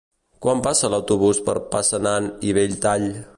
Quan passa l'autobús per Passanant i Belltall?